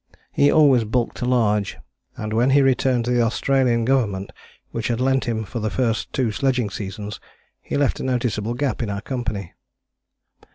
He always bulked large, and when he returned to the Australian Government, which had lent him for the first two sledging seasons, he left a noticeable gap in our company.